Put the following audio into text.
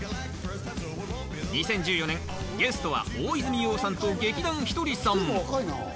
２０１４年、ゲストは大泉洋さんと劇団ひとりさん。